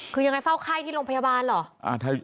คือยังไงเฝ้าไข้ที่โรงพยาบาลเหรอ